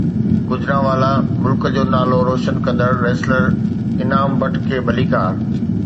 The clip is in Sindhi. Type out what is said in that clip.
گوجرانوالا ملڪ جو نالو روشن ڪندڙ ریسلر انعام بٽ کي ڀليڪار